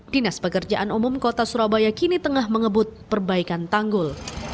dinas pekerjaan umum kota surabaya kini tengah mengebut perbaikan tanggul